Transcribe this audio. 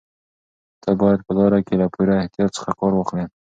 ته باید په لاره کې له پوره احتیاط څخه کار واخلې.